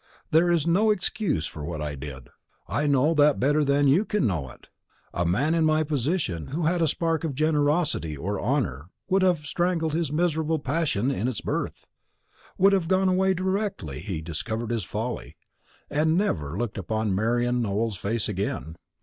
There is no excuse for what I did; I know that better than you can know it. A man in my position, who had a spark of generosity or honour, would have strangled his miserable passion in its birth, would have gone away directly he discovered his folly, and never looked upon Marian Nowell's face again.